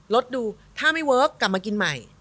ดูถ้าไม่เวิร์คกลับมากินใหม่